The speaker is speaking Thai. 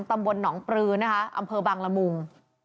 ตำบลหนองปลืออำเภอบางรมุง